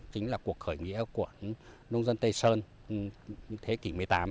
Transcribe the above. chính là cuộc khởi nghĩa của nông dân tây sơn thế kỷ một mươi tám